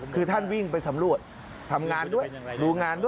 คือท่านวิ่งไปสำรวจทำงานด้วยดูงานด้วย